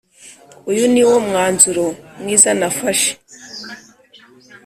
uyu ni wo mwanzuro mwiza nafashe